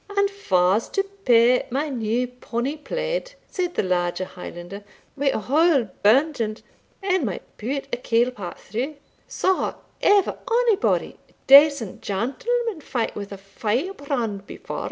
"And fa's to pay my new ponnie plaid," said the larger Highlander, "wi' a hole burnt in't ane might put a kail pat through? Saw ever onybody a decent gentleman fight wi' a firebrand before?"